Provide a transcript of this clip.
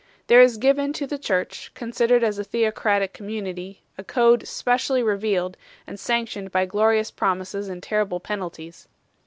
There is given to the Church, considered as a theocratic community, a code specially re vealed, and sanctioned by glorious promises and terrible penalties.